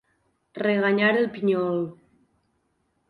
Reganyar el pinyol.